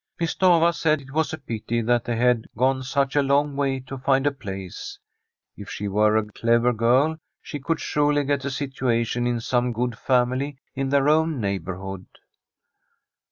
Miss Stafva said it was a pity that they had gone such a long way to find a place. If she were a clever girl, she could surely get a situation in some good family in their own neighbourhood.